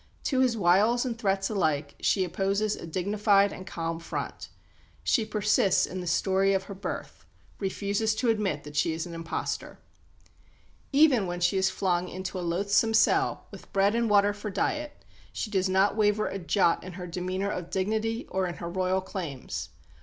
To his wiles and threats alike she opposes a dignified and calm front. She persists in the story of her birth; refuses to admit that she is an impostor. Even when she is flung into a loathsome cell, with bread and water for diet, she does not waver a jot in her demeanour of dignity or in her Royal claims.